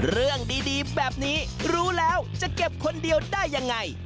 เรื่องดีแบบนี้รู้แล้วจะเก็บคนเดียวได้ยังไง